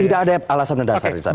tidak ada alasan mendasar di sana